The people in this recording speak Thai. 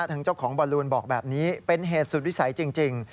ทางเจ้าของบอลลูนบอกแบบนี้เป็นเหตุสุดวิสัยจริง